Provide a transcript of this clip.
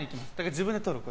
自分で撮る。